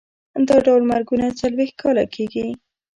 دا ډول مرګونه څلوېښت کاله کېږي.